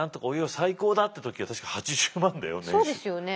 そうですよね。